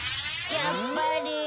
やっぱり。